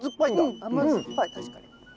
うん甘酸っぱい確かに。